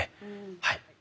はい。